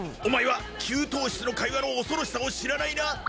お前は給湯室の会話の恐ろしさを知らないな！